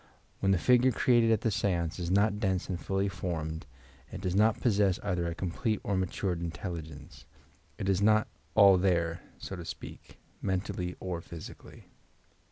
When the figure cre ated at the seance is not dense and fuUy formed, it does not possess either a complete or matured intelligence. It is not "all there," so to speak, mentally or physically.